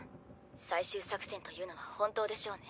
最終作戦というのは本当でしょうね。